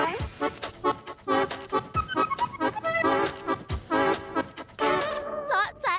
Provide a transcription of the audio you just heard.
อื้มตัวเต็มจริงแล้ว